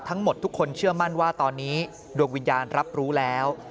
ทั้งหมดทุกคนเชื่อมั่นว่าตอนนี้ดวงวิญญาณรับรู้แล้ว